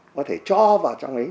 có thể cho vào trong ấy